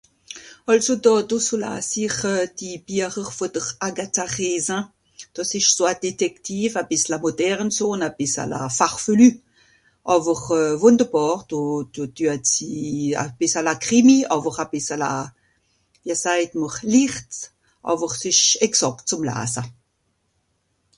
Àlso dàdo so laas ich euh... die Biarer vù d'r Agatha Raisin. Dàs ìsch so a Détective, a bìssala moderne so ùn a bìssala farfelu. Àwer euh... wùnderbàr, do... d...düat si... a bìssala Krimmi, àwer a bìssala... wia sajt m'r ? licht. àwer es ìsch exàct zùm laasa.